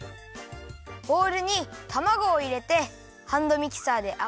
ボウルにたまごをいれてハンドミキサーであわだてます。